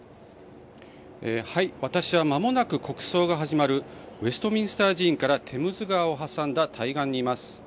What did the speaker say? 私は、まもなく国葬が始まるウェストミンスター寺院からテムズ川を挟んだ対岸にいます。